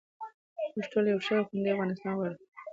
موږ ټول یو ښه او خوندي افغانستان غواړو.